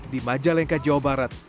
di majalengka jawa barat